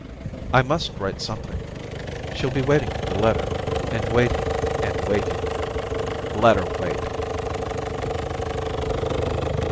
* I must write something. She'll be wait ing for the letter, and waiting and waiting.' * Let her wait.